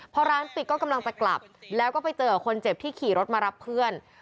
พอร้านปิดก็กำลังจะกลับแล้วก็ไปเจอกับคนเจ็บที่ขี่รถมารับเพื่อน